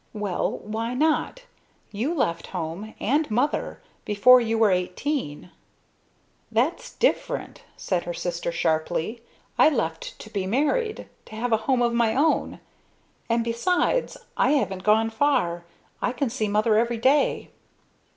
"Well, why not? You left home and Mother before you were eighteen." "That's different!" said her sister sharply. "I left to be married, to have a home of my own. And besides I haven't gone far! I can see Mother every day."